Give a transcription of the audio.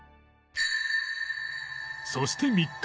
そして３日後